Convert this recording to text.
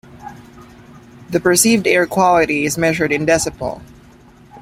The perceived air quality is measured in decipol.